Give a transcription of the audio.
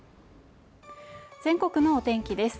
全国のお天気です。